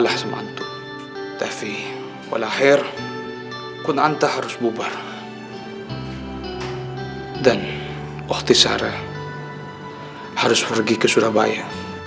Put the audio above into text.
harus pergi ke surabaya